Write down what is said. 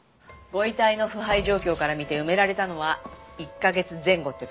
ご遺体の腐敗状況から見て埋められたのは１カ月前後ってとこ。